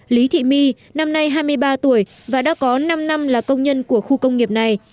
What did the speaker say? lý thị my năm nay hai mươi ba tuổi và đã có năm năm là công nhân của khu công nghiệp này